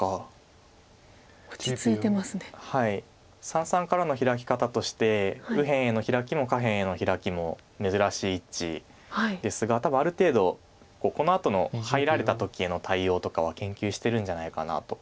三々からのヒラキ方として右辺へのヒラキも下辺へのヒラキも珍しい位置ですが多分ある程度このあとの入られた時への対応とかは研究してるんじゃないかなと。